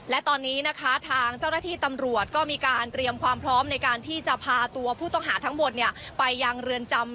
และตอนนี้นะคะทางเจ้าหน้าที่ตำรวจก็มีการเตรียมความพร้อมในการที่จะพาตัวผู้ต้องหาทั้งหมดไปยังเรือนจำ